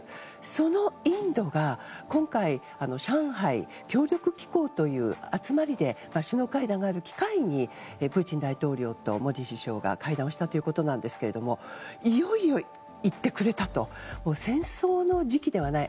そのインドが今回、上海協力機構という集まりで首脳会談がある機会にプーチン大統領とモディ首相が会談したということなんですけどいよいよ言ってくれたと戦争の時期ではない。